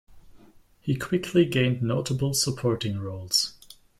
He quickly gained notable supporting roles.